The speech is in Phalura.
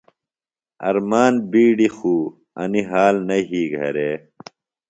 ارمان بِیڈیۡ خُوۡ انیۡ حال نہ یھی گھرے۔